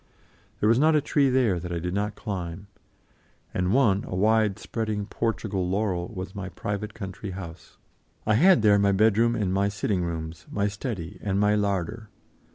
There was not a tree there that I did not climb, and one, a widespreading Portugal laurel, was my private country house. I had there my bedroom and my sitting rooms, my study, and my larder.